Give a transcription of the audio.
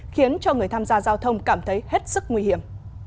khiến cho người tham gia giao thông cảm thấy hết sức nguy hiểm